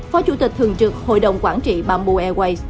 phó chủ tịch thường trực hội đồng quản trị bamboo airways